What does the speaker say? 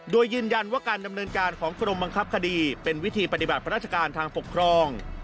โดยยืนยันว่าการดำเนินการของกรมบังคับคดีเป็นวิธีปฏิบัติราชการทางปกครอง